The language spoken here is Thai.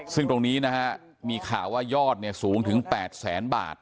ซึ่งตรงนี้มีข่าวว่ายอดสูงถึง๘แสนบาท